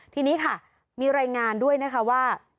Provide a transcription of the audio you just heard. ทีนี้ค่ะมีรายงานด้วยนะคะว่า